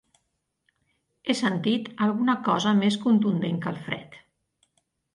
He sentit alguna cosa més contundent que el fred.